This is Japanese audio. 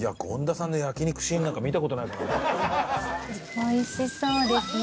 おいしそうですね。